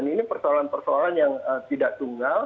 ini persoalan persoalan yang tidak tunggal